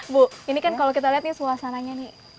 bu ini kan kalau kita lihat nih suasananya nih